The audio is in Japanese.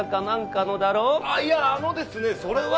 あっいやあのですねそれは。